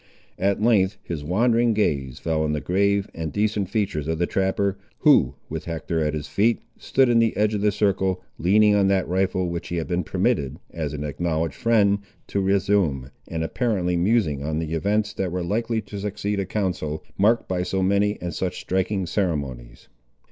At length his wandering gaze fell on the grave and decent features of the trapper, who, with Hector at his feet, stood in the edge of the circle, leaning on that rifle which he had been permitted, as an acknowledged friend, to resume, and apparently musing on the events that were likely to succeed a council, marked by so many and such striking ceremonies.